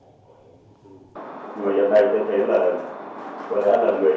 người dân này như thế là người dân vẫn còn có thể trực quan